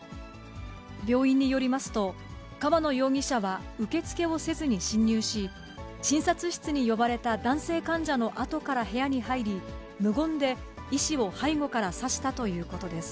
病院によりますと、川野容疑者は受け付けをせずに侵入し、診察室に呼ばれた男性患者のあとから部屋に入り、無言で医師を背後から刺したということです。